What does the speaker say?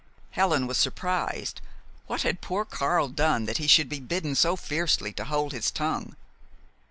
Helen was surprised. What had poor Karl done that he should be bidden so fiercely to hold his tongue?